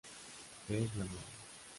The Glamour.